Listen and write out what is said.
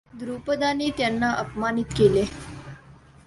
द्रुपदाने त्यांना अपमानित केले.